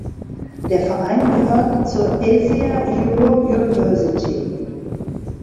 Der Verein gehört zur Asia Euro University.